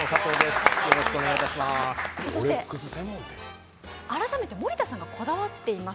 そして改めて森田さんがこだわっています